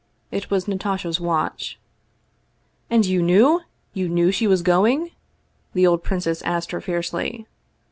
It was Natasha's watch. "And you knew? You knew she was going?" the old princess asked her fiercely.